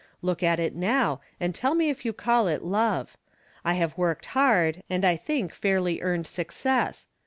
Look at it now, and tell me if you call it love. I have worked hard, and I think fairly earned success.